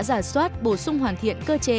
giả soát bổ sung hoàn thiện cơ chế